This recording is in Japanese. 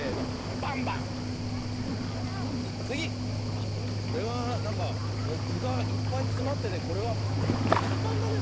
あっこれはなんかぐがいっぱいつまっててこれはパンパンだねなんかね。